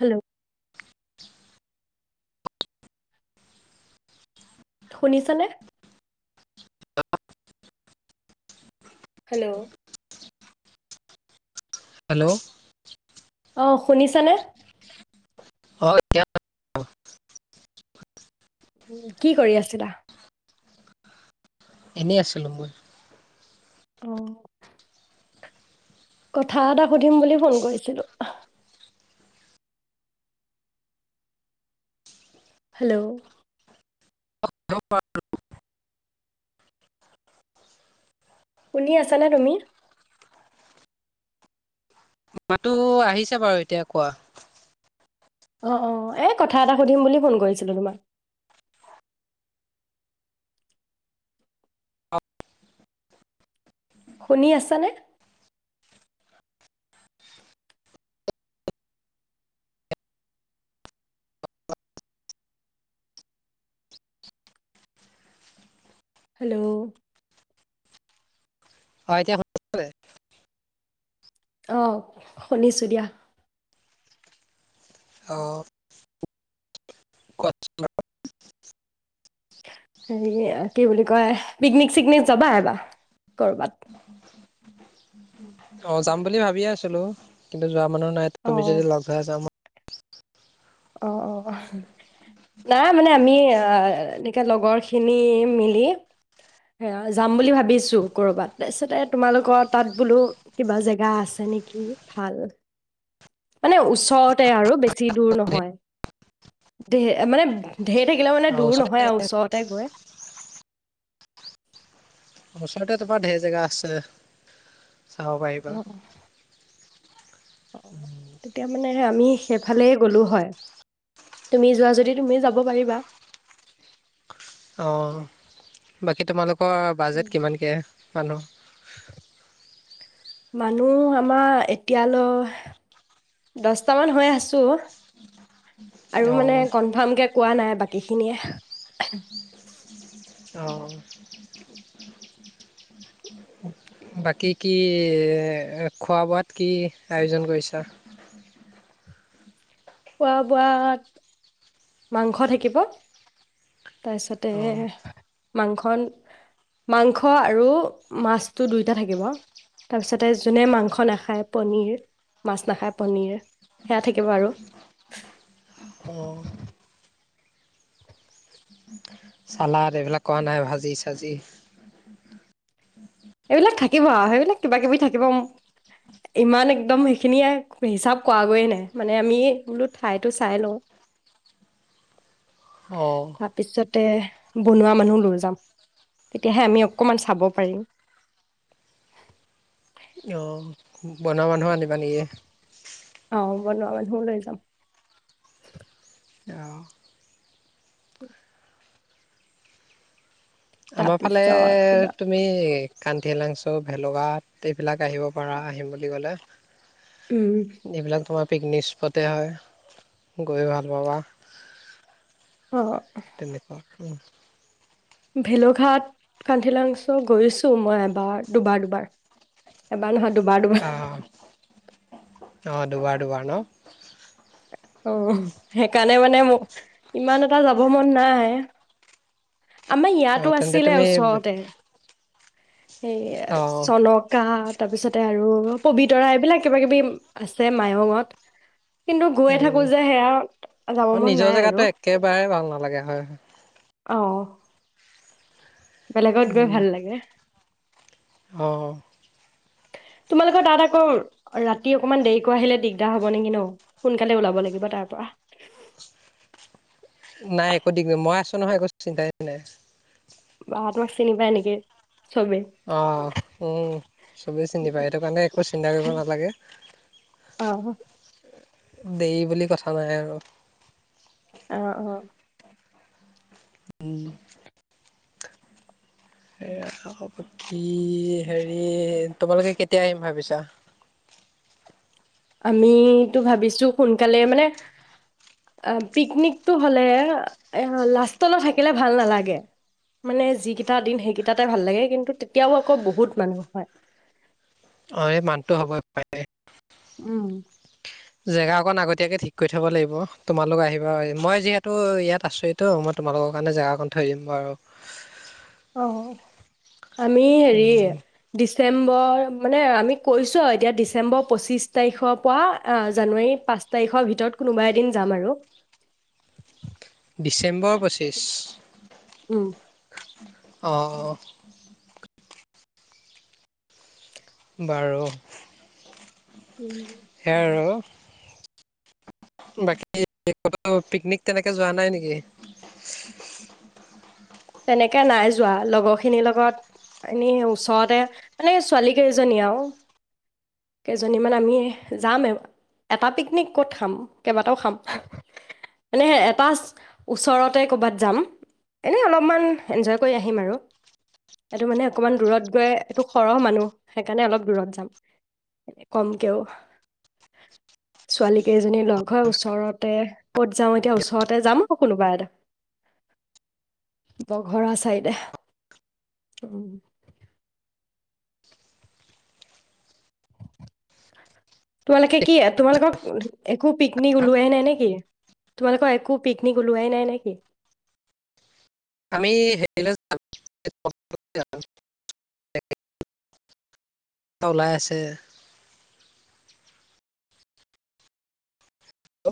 Hello শুনিছা নে hello hello আহ শুনিছানে? অ কি কৰি আছিলা এনেই আছিলো মই আহ কথা এটা সুধিম বুলি ফোন কৰিছিলো হেল্ল' [unintelligible] শুনি আছা নে তুমি মাতটো আহিছে বাৰু এতিয়া কোৱা অ অ এই কথা এটা সুধিম বুলি ফোন কৰিছিলো তোমাক শুনি আছানে হেল্ল' অ এতিয়া আহ শুনিছো দিয়া অ কষ্ট হেৰি কি বুলি কয় পিকনিক চিকনিক যাবা এবা ক'ৰবাত অ যাম বুলি ভাবিয়ে আছিলো কিন্তু যোৱা মানুহ নাই অ তুমি যদি লগ ধৰা জাম অ অ নাই মানে আমি আহ এনেকে লগৰ খিনি মিলি এ যাম বুলি ভাবিছো ক'ৰবাত তাৰপিছতে তোমালোকৰ তাত বোলো কিবা জেগা আছে নেকি ভাল মানে ওচৰতে আৰু বেছি ছি দূৰ নহয়। দেহে মানে ঢেৰ থাকিলে মানে অ দূৰ ওচৰতে নহয় আৰু ওচৰতে গৈ। ওচৰতে তোমাৰ ঢেৰ জেগা আছে। চাব পাৰিবা অহ অ ও তেতিয়া মানে আমি সেইফালে গ'লো হয় তুমি যোৱা যদি তুমি যাব পাৰিবা। অ বাকী তোমালোক কোৱা উম। বাজেট কিমানকৈ মানুহ? মানুহ আমাৰ এতিয়ালৈ দছটামান হৈ আছো। আৰু অ মানে কনফাৰ্ম কে কোৱা নাই বাকীখিনিয়ে। অহহহ। বাকী কি খোৱা বোৱাত কি আয়োজন কৰিছা? খোৱা বোৱাত মাংস থাকিব তাৰপিছতে অ মাংস মাংস আৰু মাছটো দুইটা থাকিব তাৰপিছতে যোনে মাংস নাখায় পনীৰ মাছ নাখায় পনীৰ সেয়া থাকিব আৰু। অ চালাড এইবিলাক কৰা নাই ভাজি চাজি? এইবিলাক থাকিব আৰু সেইবিলাক কিবা কিবি থাকিব ইমান একদম সেইখিনিয়ে হিচাপ কৰাগৈয়ে নাই মানে আমি বোলো ঠাইতো চাই লওঁ, অ তাৰপিছতে বনোৱা মানুহ লৈ যাম তেতিয়াহে আমি অকমান চাব পাৰিম। অ' বনোৱা মানুহ আনিবা নেকি? অ বনোৱা মানুহ লৈ যাম। অহ। উম। আমাৰ ফালে তাৰপিছত কিবা তুমি কান্তি লাংচ ভেলগাত এইবিলাক আহিব পৰা আহিম বুলি ক'লে। উম এইবিলাক তোমাৰ পিকনিক স্পট হয় গৈ ভাল পাবা অ পিক তেনেকুৱা হা ভেলোঘাট কান্ধেলাংছো গৈছো মই এবাৰ দুবাৰ দুবাৰ। বানসাৰদো বাদোবা অ' অ দুবাৰ দুবাৰ ন? উ সেইকাৰণে মানে ম ইমান এটা যাব মন নাই। আমাৰ অ' ইয়াতো তেন্তে আছিলে তুমি ওচৰতে। সেই অ' চনকাত। তাৰ পিছতে আৰু পবিতৰা এইবিলাক কিবা কিবি আছে মায়ঙত। কিন্তু গৈয়ে উম, থাকো যে সেয়া যাব অ' মন নিজৰ নাই জেগাতো আৰু। একেবাৰে ভাল নালাগে হয়। অহ। বেলেগত গৈ উম, ভাল লাগে। অঁ। তোমালোকৰ তাত আকৌ ৰাতি অকমান দেৰিকৈ আহিলে দিগদাৰ হব নেকি ন সোনকালে ওলাব লাগিব তাৰ পৰা। নাই একো দিগদাৰ মই আছো নহয় একো চিন্তাই নাই। তহঁতক চিনি পাই এনেকে। অ উ চবেই চিনি পায় সেইটো কাৰণে একো চিন্তা কৰিব নালাগে। অ দেৰি বুলি কথা নাই আৰু। অ অ। উম। এয়া হব। কি হেৰি তোমালোকে কেতিয়া আহিম ভাবিছা। আমিতো ভাবিছো সোনকালে মানে পিকনিকটো হলে এ লাষ্টলৈ থাকিলে ভাল নালাগে। মানে যিকেইটা দিন সেইকেইটাতে ভাল লাগে কিন্তু তেতিয়াও আকৌ বহুত মানুহ হয়। অ এই মানটো হ'ব পাৰে। উম। জেগা অকণ আগত। তেতিয়াকে ঠিক কৰি থ'ব লাগিব তোমালোক আহিবা মই যিহেতু ইয়াত আছোঁয়েইতো মই তোমালোকৰ কাৰণে জেগাকণ থৈ দিম বাৰু। অহ। আমি হেৰি। উম ডিচেম্বৰ মানে আমি কৈছোঁ আৰু এতিয়া ডিচেম্বৰ পঁচিছ তাৰিখৰ পৰা জানুৱাৰী পাঁচ তাৰিখৰ ভিতৰত কোনোবা এদিন যাম আৰু। ডিচেম্বৰ পঁচিছ। উম অঁ অ। বাৰু। উম, সেয়া আৰু। বাকী কতো পিকনিক তেনেকে যোৱা নাই নেকি তেনেকে নাই যোৱা লগৰখিনিৰ লগত এনেই ওচৰতে মানে ছোৱালী কেইজনী আৰু কেইজনী মানে আমি যাম। এটা পিকনিক ক'ত খাম কেইবাটাও খাম মানে এটা ওচৰতে কৰ'বাত যাম এনে অলপ। অকমান এনজয় কৰি আহিম আৰু এইটো মানে অকমান দূৰত গৈ এইটো সৰহ মানুহ সেইকাৰণে অলপ দূৰত যাম কমকেও ছোৱালী কেইজনী লগ হৈ ওচৰতে ক'ত যাওঁ এতিয়া ওচৰতে যাম আকৌ কোনোবা এটা। বঘৰা চাইডে। তোমালোকে কি তোমালোকক। একো পিকনিক উলোৱাই নাই নেকি। তোমালোকৰ একো পিকনিক ওলোৱাই নাই নেকি। আমি। ওলাই আছে। অ